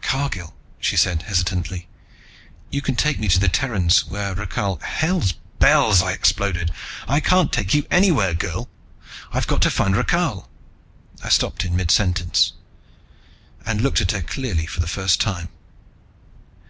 "Cargill," she said hesitantly, "you can take me to the Terrans where Rakhal " "Hell's bells," I exploded. "I can't take you anywhere, girl. I've got to find Rakhal " I stopped in midsentence and looked at her clearly for the first time.